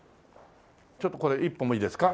ちょっとこれ一本いいですか？